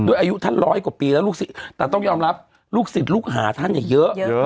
อายุท่านร้อยกว่าปีแล้วลูกศิษย์แต่ต้องยอมรับลูกศิษย์ลูกหาท่านเนี่ยเยอะ